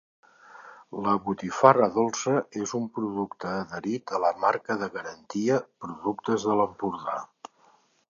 La botifarra dolça és un producte adherit a la Marca de garantia Productes de l'Empordà.